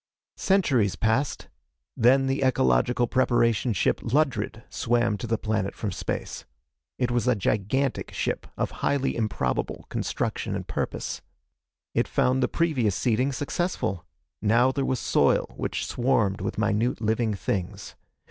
Centuries passed. Then the Ecological Preparation Ship Ludred swam to the planet from space. It was a gigantic ship of highly improbable construction and purpose. It found the previous seeding successful. Now there was soil which swarmed with minute living things.